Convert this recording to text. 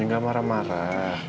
ini gak marah marah